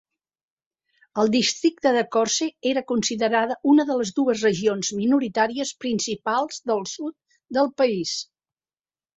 El districte de Korce era considerada una de les dues regions minoritàries principals del sud del país.